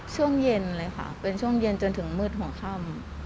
ช่วงเย็นเลยค่ะเป็นช่วงเย็นจนถึงมืดหัวค่ำ